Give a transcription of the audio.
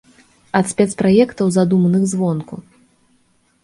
Ад спецпраектаў, задуманых звонку.